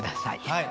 はい。